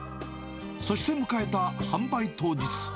そして迎えた販売当日。